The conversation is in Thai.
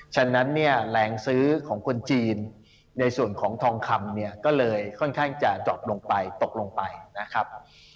ฉะนั้นแหลงซื้อของคนจีนในส่วนของทองคำก็เลยค่อนข้างจะตกลงไปนะครับ